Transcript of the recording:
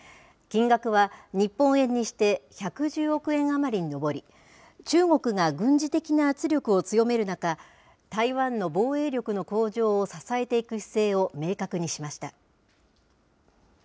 金額は日本円にして１１０億円余りに上り、中国が軍事的な圧力を強める中、台湾の防衛力の向上を支えていく姿勢を明確にしました。